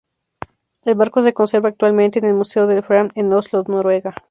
El barco se conserva actualmente en el Museo del Fram, en Oslo, Noruega.